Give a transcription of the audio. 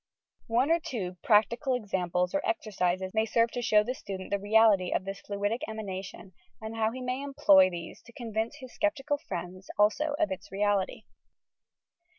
One or two practical ex amples or exercises may serve to show the student the reality of this fluidic emanation, and he may employ these to convince his sceptical friends also of its reality.